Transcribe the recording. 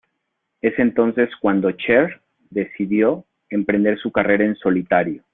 Es entonces cuando Cher decidió emprender su carrera en solitario.